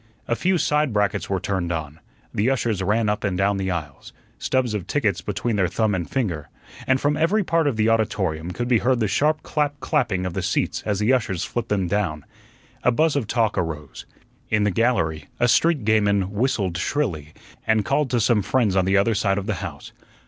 A few side brackets were turned on. The ushers ran up and down the aisles, stubs of tickets between their thumb and finger, and from every part of the auditorium could be heard the sharp clap clapping of the seats as the ushers flipped them down. A buzz of talk arose. In the gallery a street gamin whistled shrilly, and called to some friends on the other side of the house.